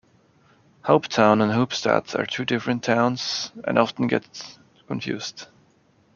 Hopetown and Hoopstad are two different towns and often get confused.